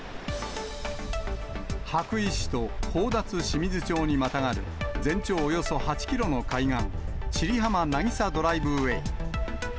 羽咋市と宝達志水町にまたがる全長およそ８キロの海岸、千里浜なぎさドライブウェイ。